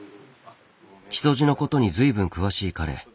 木曽路のことに随分詳しい彼。